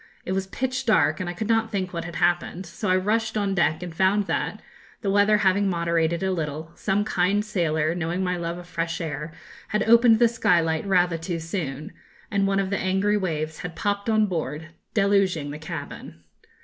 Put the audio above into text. It was pitch dark, and I could not think what had happened; so I rushed on deck, and found that, the weather having moderated a little, some kind sailor, knowing my love of fresh air, had opened the skylight rather too soon; and one of the angry waves had popped on board, deluging the cabin.